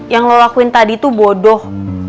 yang lo lakuin tadi tuh bodoh